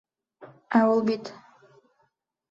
Ә ул бит...